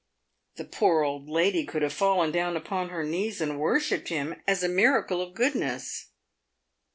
The poor old lady could have fallen down upon her knees and worshipped him as a miracle of goodness.